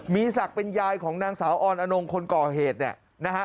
มีศักดิ์เป็นยายของนางสาวออนอนงคนก่อเหตุเนี่ยนะฮะ